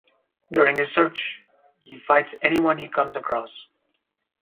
During his search, he fights anyone he comes across.